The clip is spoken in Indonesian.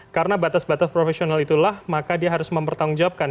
karena batas batas profesional itulah maka dia harus mempertanggungjawabkan